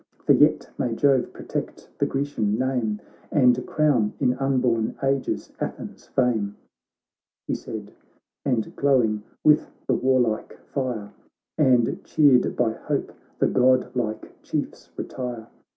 For yet may Jove protect the Grecian name And crown, in unborn ages, Athens' fame,' He said — and glowing with the warlike fire, And cheered by hope, the godlike Chiefs retire.